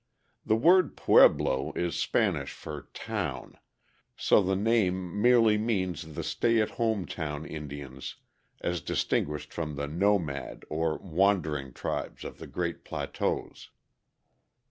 The word "pueblo" is Spanish for "town," so the name merely means the stay at home town Indians as distinguished from the nomad or wandering tribes of the great plateaus.